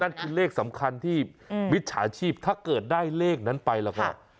นั่นคือเลขสำคัญที่มิจฉาชีพถ้าเกิดได้เลขนั้นไปแล้วก็